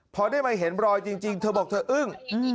พอได้มาเห็นรอยจริงเธอบอกเธออึ้ง